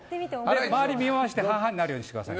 周り見回して半々になるようにしてくださいね。